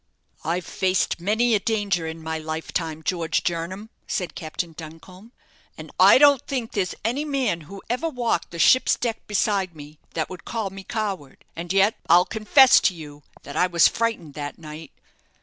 "I've faced many a danger in my lifetime, George Jernam," said Captain Duncombe; "and I don't think there's any man who ever walked the ship's deck beside me that would call me coward; and yet I'll confess to you I was frightened that night.